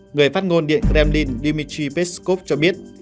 người phát ngôn điện kremlin dmitry peskov cho biết